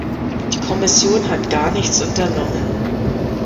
Die Kommission hat gar nichts unternommen.